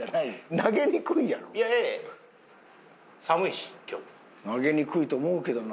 投げにくいと思うけどな。